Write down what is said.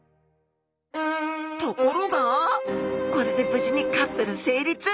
ところがこれで無事にカップル成立！